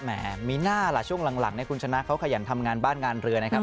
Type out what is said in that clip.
แหมมีหน้าล่ะช่วงหลังคุณชนะเขาขยันทำงานบ้านงานเรือนะครับ